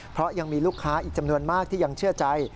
เพราะยังมีลูกค้าอีกจำนวนมากที่ยังเชื่อใจ